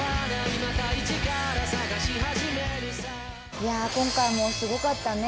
いやあ今回もすごかったね。